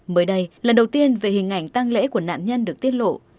mới đây lần đầu tiên về hình ảnh tăng lễ của nạn nhân được tiết lộ